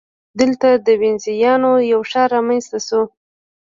دلته د وینزیانو یو ښار رامنځته شو